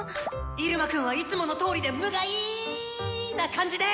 イルマくんはいつものとおりで無害な感じで！